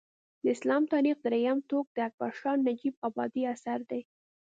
د اسلام تاریخ درېیم ټوک د اکبر شاه نجیب ابادي اثر دی